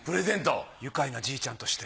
ゆかいなじいちゃんとして。